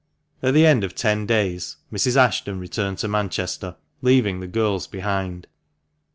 At the end of ten days, Mrs. Ashton returned to Manchester, leaving the girls behind.